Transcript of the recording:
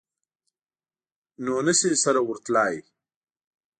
نو نه شي سره ورتلای.